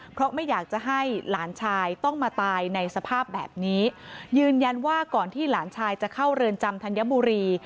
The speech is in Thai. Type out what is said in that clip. เพราะไม่อยากจะให้หลานชายต้องมาตายในสภาพแบบนี้ยืนยันว่าก่อนที่หลานชายจะเข้าเรือนจำธัญบุรี